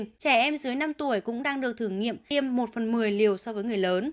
trẻ em dưới năm tuổi cũng đang được thử nghiệm tiêm một phần mười liều so với người lớn